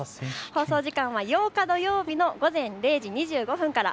放送時間は８日土曜日の午前０時２５分から。